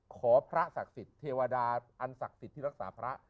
ขอพระศักดิ์สิทธิ์เทวดาอันศักดิ์สิทธิ์ที่รักษาพระ